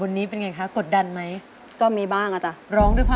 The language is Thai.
อยากให้รักคอยท่า